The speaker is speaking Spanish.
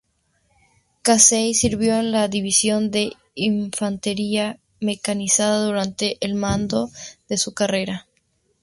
Casey sirvió en la división de infantería mecanizada durante el mando de su carrera.